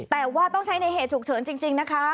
แต่ว่าต้องใช้ในเหตุฉุกเฉินจริงนะคะ